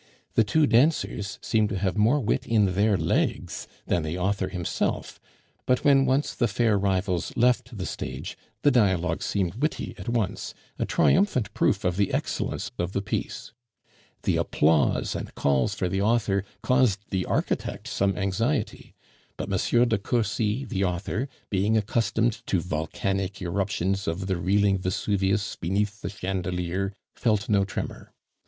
The two dancers seemed to have more wit in their legs than the author himself; but when once the fair rivals left the stage, the dialogue seemed witty at once, a triumphant proof of the excellence of the piece. The applause and calls for the author caused the architect some anxiety; but M. de Cursy, the author, being accustomed to volcanic eruptions of the reeling Vesuvius beneath the chandelier, felt no tremor.